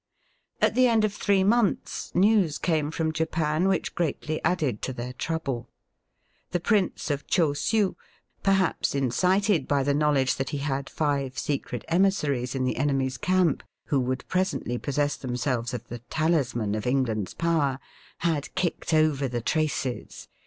At the end of three months news i^ame from Japan which greatly added to their trouble. The Prince of Chosiu — perhaps incited by the knowledge that he had five secret emissaries in the enemy's camp, who would presently possess themselves of the talisman of England's power — had kicked over the traces.